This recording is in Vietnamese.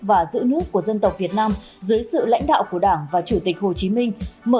và giữ nước của dân tộc việt nam dưới sự lãnh đạo của đảng và chủ tịch hồ chí minh